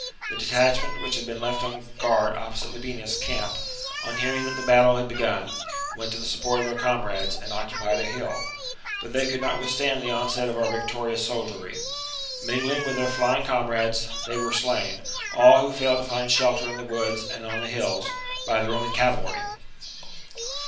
The detachment which had been left on guard opposite Labienus's camp, on hearing that the battle had begun, went to the support of their comrades and occupied a hill ;^ but they could not withstand the onset of our victorious soldiery. Mingling with their flying comrades, they were slain — all who failed to find shelter in the woods and on the hills — by the Roman cavalry.